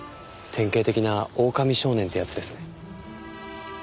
典型的なオオカミ少年ってやつですね。